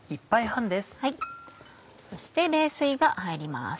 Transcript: そして冷水が入ります。